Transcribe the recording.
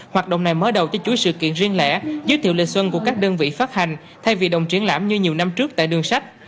hoạt động này mở đầu cho chuỗi sự kiện riêng lẻ giới thiệu lịch xuân của các đơn vị phát hành thay vì đồng triển lãm như nhiều năm trước tại đường sách